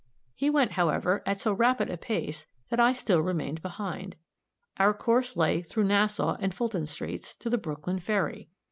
He went, however, at so rapid a pace, that I still remained behind. Our course lay through Nassau and Fulton streets, to the Brooklyn ferry.